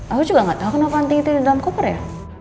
aku juga gak tau kenapa anting itu ada di dalam koper ya